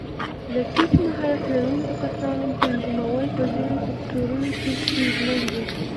د ټیټ مهارت لرونکو کسانو تنظیمول په ځینو سکتورونو کې ستونزمن دي.